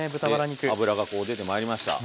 脂がこう出てまいりました。